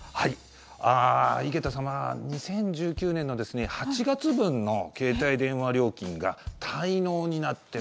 井桁様、２０１９年の８月分の携帯電話料金が４年前。